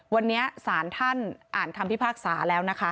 วันนี้สารท่านอ่านคำพิพากษาแล้วนะคะ